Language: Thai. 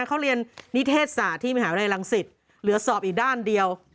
เขาเรียนนิเทศศาสตร์ที่มหาวิทยาลัยรังสิตเหลือสอบอีกด้านเดียว